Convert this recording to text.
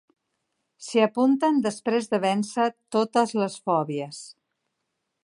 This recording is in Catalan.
S'hi apunten després de vèncer totes les fòbies.